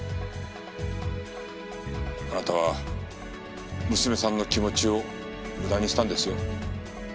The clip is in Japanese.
あなたは娘さんの気持ちを無駄にしたんですよ。